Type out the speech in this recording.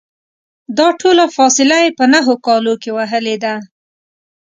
دا ټوله فاصله یې په نهو کالو کې وهلې ده.